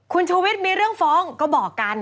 คุณชูวิทย์มีเรื่องฟ้องก็บอกกัน